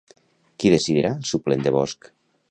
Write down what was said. Qui decidirà el suplent de Bosch?